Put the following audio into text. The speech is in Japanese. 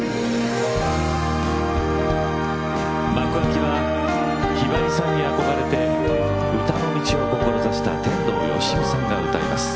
幕開きはひばりさんに憧れて歌の道を志した天童よしみさんが歌います。